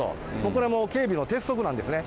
これはもう警備の鉄則なんですね。